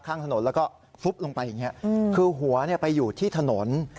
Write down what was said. ข้างถนนแล้วก็ฟุบลงไปอย่างนี้คือหัวไปอยู่ที่ถนน